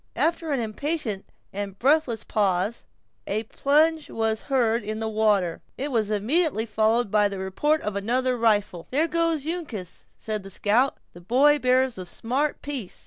After an impatient and breathless pause, a plunge was heard in the water, and it was immediately followed by the report of another rifle. "There goes Uncas!" said the scout; "the boy bears a smart piece!